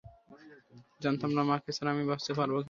জানতাম না মাকে ছাড়া আমি বাঁচতে পারব কিনা।